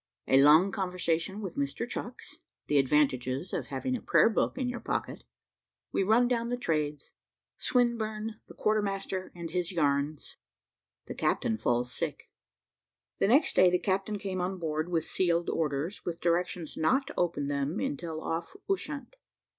A LONG CONVERSATION WITH MR. CHUCKS THE ADVANTAGES OF HAVING A PRAYER BOOK IN YOUR POCKET WE RUN DOWN THE TRADES SWINBURNE, THE QUARTER MASTER, AND HIS YARNS THE CAPTAIN FALLS SICK. The next day the captain came on board with sealed orders, with directions not to open them until off Ushant.